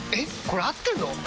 これ合ってんの！？